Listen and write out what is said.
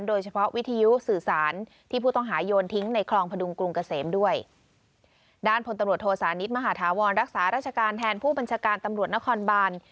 โดยเฉพาะวิทยุสื่อสารที่ผู้ต้องหาโยนทิ้งในคลองพดุงกรุงเกษมด้วยด้านพลตำรวจโทษานิทมหาธาวรรักษาราชการแทนผู้บัญชาการตำรวจนครบาน